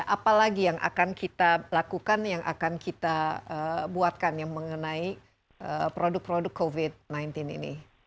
apalagi yang akan kita lakukan yang akan kita buatkan yang mengenai produk produk covid sembilan belas ini